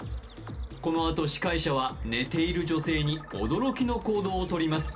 このあと司会者は寝ている女性に驚きの行動をとります